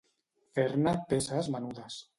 Fer-ne peces menudes.